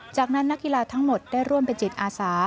จากนั้นนักกีฬาทั้งหมดได้ร่วมเป็นจิตอาสา